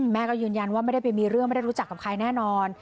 แม่ก็ยืนยันว่าไม่ได้ไปมีเรื่องไม่ได้รู้จักกับใครแน่นอน